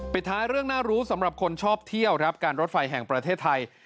ท้ายเรื่องน่ารู้สำหรับคนชอบเที่ยวครับการรถไฟแห่งประเทศไทย